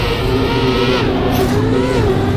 উপস্থিত যাত্রীবৃন্দ, এক্ষুনি আপনাদের সিট বেল্ট বেঁধে ফেলুন।